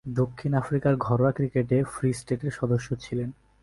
দক্ষিণ আফ্রিকার ঘরোয়া ক্রিকেটে ফ্রি স্টেটের সদস্য ছিলেন।